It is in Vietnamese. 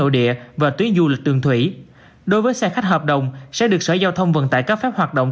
đối với xe khách hợp đồng sẽ được sở giao thông vận tải các phép hoạt động